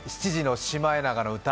７時の「シマエナガの歌」